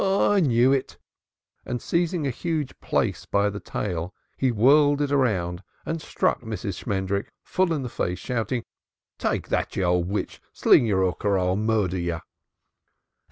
"I knew it!" And seizing a huge plaice by the tail he whirled it round and struck Mrs. Shmendrik full in the face, shouting, "Take that, you old witch! Sling your hook or I'll murder you."